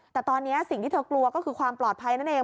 แต่ตอนนี้สิ่งที่เธอกลัวก็คือความปลอดภัยนั่นเอง